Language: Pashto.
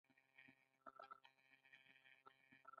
هغه د قانون د احکامو په رعایت کار کوي.